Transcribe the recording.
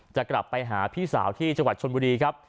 จะกลับไปหาพี่สาวที่จังหวัดชนบุรีครับ